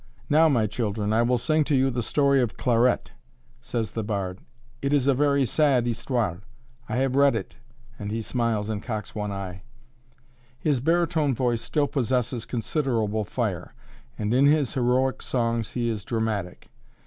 "Now, my children, I will sing to you the story of Clarette," says the bard; "it is a very sad histoire. I have read it," and he smiles and cocks one eye. His baritone voice still possesses considerable fire, and in his heroic songs he is dramatic.